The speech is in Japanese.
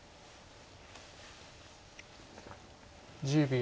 １０秒。